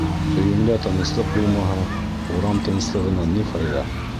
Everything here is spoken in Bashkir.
Өйөңдә тыныслыҡ булмаһа, урам тыныслығынан ни файҙа?